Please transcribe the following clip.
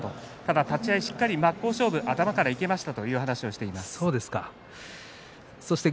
立ち合いしっかりと真っ向勝負頭からいけましたと話しています。